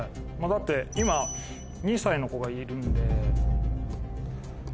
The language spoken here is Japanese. だって今２歳の子がいるんで。